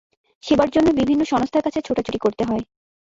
সেবার জন্য বিভিন্ন সংস্থার কাছে ছোটাছুটি করতে হয়।